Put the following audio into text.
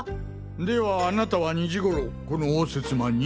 ではあなたは２時頃この応接間に？